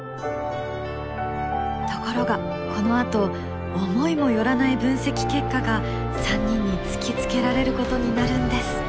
ところがこのあと思いも寄らない分析結果が３人に突きつけられることになるんです。